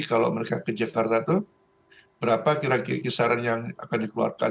kalau mereka ke jakarta itu berapa kira kira kisaran yang akan dikeluarkan